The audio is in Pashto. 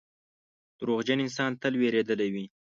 • دروغجن انسان تل وېرېدلی وي.